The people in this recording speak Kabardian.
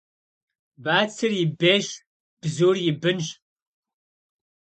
Batser yi beş, bzur yi bınş.